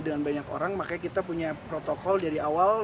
dengan banyak orang makanya kita punya protokol dari awal